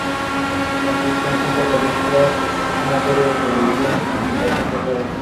Consiste en cinco películas, una serie de televisión y una aplicación de juegos.